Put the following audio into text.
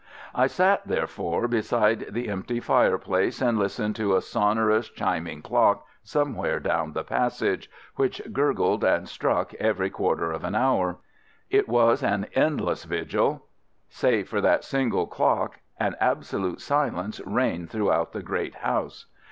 I sat therefore beside the empty fireplace, and listened to a sonorous chiming clock somewhere down the passage, which gurgled and struck every quarter of an hour. It was an endless vigil. Save for that single clock, an absolute silence reigned throughout the great house.